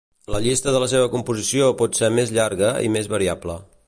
La llista de la seva composició pot ser més llarga i més variable.